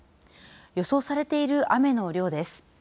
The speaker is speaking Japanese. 予想されている雨の量です。